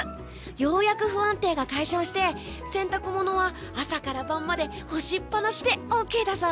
ようやく不安定が解消して洗濯物は朝から晩まで干しっぱなしでＯＫだぞ！